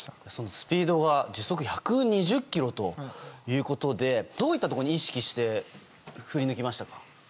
スピードが時速１２０キロということでどういったところに意識して振り抜きましたか？